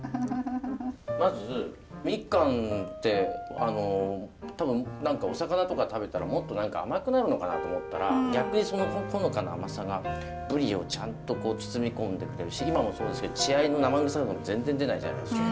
まずみかんって多分何かお魚とか食べたらもっと何か甘くなるのかなと思ったら逆にそのほのかな甘さがぶりをちゃんと包み込んでくれるし今もそうですけど血合いの生臭いの全然出ないじゃないですか。